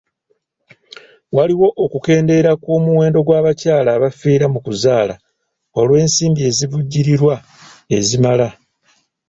Waliwo okukendeera kw'omuwendo gw'abakyala abafiira mu kuzaala olw'ensimbi ezivujjirirwa ezimala.